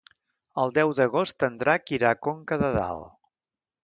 El deu d'agost en Drac irà a Conca de Dalt.